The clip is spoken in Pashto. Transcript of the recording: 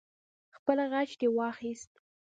خپل غچ دې واخست.